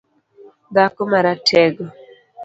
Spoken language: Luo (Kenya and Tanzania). Dhako maratego